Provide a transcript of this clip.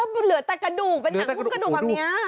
มันเหลือแต่กระดูกเป็นหนังหุ้มกระดูกแบบนี้